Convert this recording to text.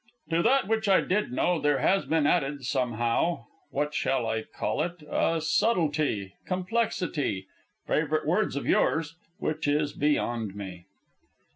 To that which I did know there has been added, somehow (what shall I call it?), a subtlety; complexity, favorite words of yours, which is beyond me.